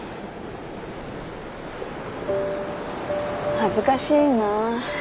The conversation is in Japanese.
恥ずかしいな。